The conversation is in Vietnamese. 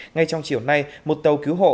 ngay trong chiều nay một tàu cứu hộ